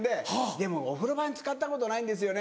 「でもお風呂場に使ったことないんですよね」。